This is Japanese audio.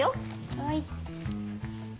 はい。